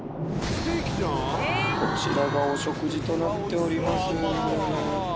こちらがお食事となっております。